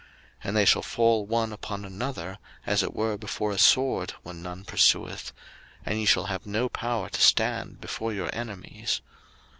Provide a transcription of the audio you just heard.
03:026:037 And they shall fall one upon another, as it were before a sword, when none pursueth: and ye shall have no power to stand before your enemies.